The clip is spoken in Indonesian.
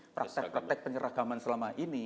praktek praktek penyeragaman selama ini